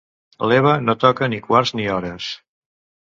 L'Eva no toca ni quarts ni hores.